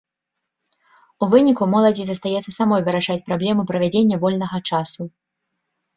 У выніку моладзі застаецца самой вырашаць праблему правядзення вольнага часу.